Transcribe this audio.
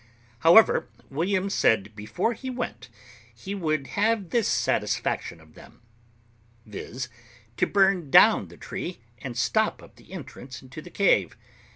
However, William said before we went he would have this satisfaction of them, viz., to burn down the tree and stop up the entrance into the cave.